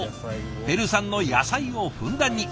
ペルー産の野菜をふんだんに。